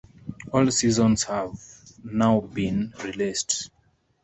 All seasons have now been released.